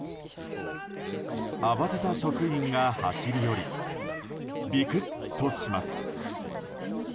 慌てた職員が走り寄りビクッとします。